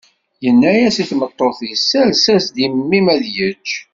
Yenna-as i tmeṭṭut-is: Sers-as-d i mmi-m ad yečč.